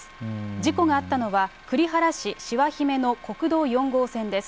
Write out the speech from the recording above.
事故があったのは栗原市しわひめの国道４号線です。